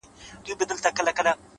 د تجربې ښوونه ژوره اغېزه لري؛